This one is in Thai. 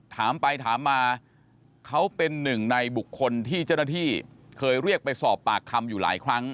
ถามไปถามมาเขาเป็นหนึ่งในบุคคลที่เจ้าหน้าที่เคยเรียกไปสอบปากคำอยู่หลายครั้ง